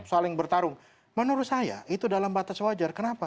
saling bertarung menurut saya itu dalam batas wajar kenapa